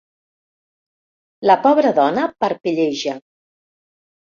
La pobra dona parpelleja.